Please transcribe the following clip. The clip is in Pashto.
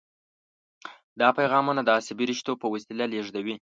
دا پیغامونه د عصبي رشتو په وسیله لیږدوي.